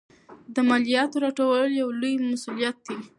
د مالیاتو راټولول یو لوی مسوولیت دی.